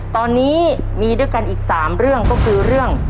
ตอนนี้มีด้วยกันอีก๓เรื่องก็คือเรื่อง